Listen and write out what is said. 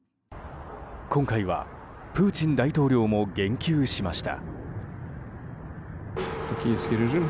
今回はプーチン大統領も言及しました。